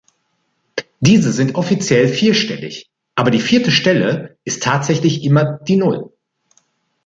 Diese sind offiziell vierstellig, aber die vierte Stelle ist tatsächlich immer die Null.